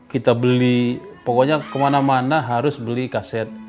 kita beli pokoknya kemana mana harus beli kaset